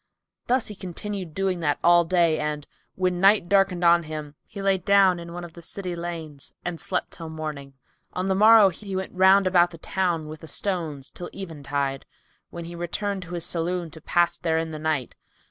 Thus he continued doing all that day and, when night darkened on him, he lay down in one of the city lanes and sleet till morning On the morrow, he went round about town with the stones till eventide, when he returned to his saloon to pass therein the night.